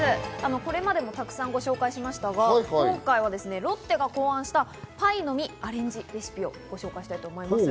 これでもたくさんご紹介しましたが、今回はロッテが考案したパイの実アレンジレシピをご紹介したいと思います。